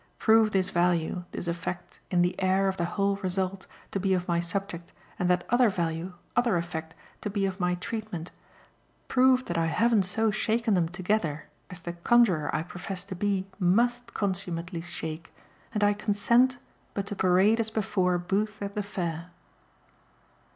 Prove this value, this effect, in the air of the whole result, to be of my subject, and that other value, other effect, to be of my treatment, prove that I haven't so shaken them together as the conjurer I profess to be MUST consummately shake, and I consent but to parade as before a booth at the fair."